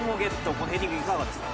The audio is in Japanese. このヘディングいかがでしたか？